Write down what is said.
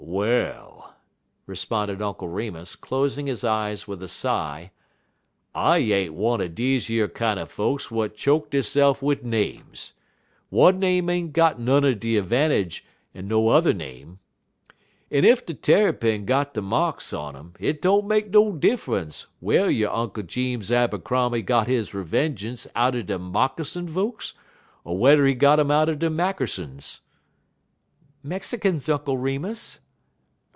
"Well," responded Uncle Remus, closing his eyes with a sigh, "I ain't one er deze yer kinder folks w'at choke deyse'f wid names. One name ain't got none de 'vantage er no yuther name. En ef de Tarrypin got de marks on 'im, hit don't make no diffunce whe'er yo' Unk' Jeems Abercrombie git his revengeance out'n de Moccasin folks, er whe'er he got it out'n de Mackersons." "Mexicans, Uncle Remus."